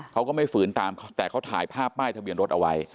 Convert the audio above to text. เขาก็ไม่ฝืนตามแต่เขาถ่ายภาพป้ายทะเบียนรถเอาไว้